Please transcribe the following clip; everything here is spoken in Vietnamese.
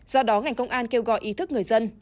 do đó ngành công an kêu gọi ý thức người dân